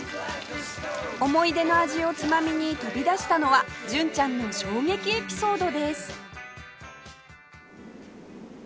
思い出の味をつまみに飛び出したのは純ちゃんの衝撃エピソードです